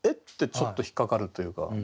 ちょっと引っ掛かるというか。